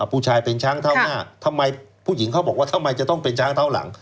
ผู้ชายเป็นช้างเท้าหน้าทำไมผู้หญิงเขาบอกว่าทำไมจะต้องเป็นช้างเท้าหลัง